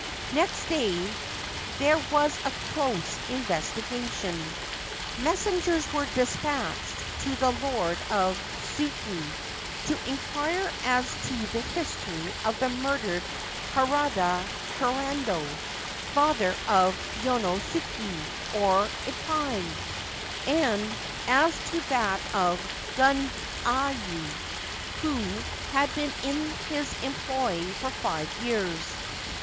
Next day there was a close investigation. Messengers were despatched to the Lord of Tsugaru to inquire as to the history of the murdered Harada Kurando, father of Yonosuke, or ' Ippai,' and as to that of Gundayu, who had been in his employ for five years.